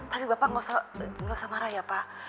tapi bapak nggak usah marah ya pak